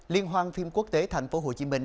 liên hoan phim quốc tế thành phố hồ chí minh